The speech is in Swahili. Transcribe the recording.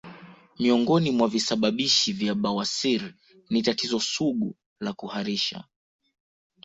Miongoni mwa visababishi vya bawasir ni tatizo sugu la kuharisha